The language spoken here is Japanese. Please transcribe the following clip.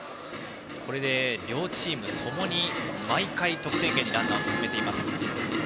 両チームともに毎回得点圏にランナーを進めています。